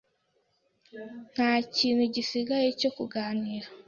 Nta kintu gisigaye cyo kuganira.